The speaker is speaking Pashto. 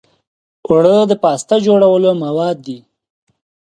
اوړه د پاستا جوړولو مواد دي